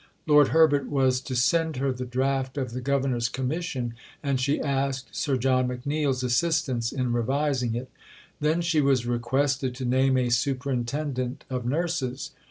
Lord Herbert was to send her the draft of the Governor's Commission, and she asked Sir John McNeill's assistance in revising it. Then she was requested to name a Superintendent of nurses.